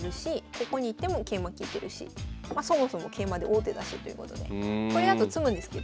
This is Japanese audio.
ここに行っても桂馬利いてるしまそもそも桂馬で王手だしということでこれだと詰むんですけど。